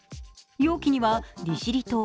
容器には利尻島。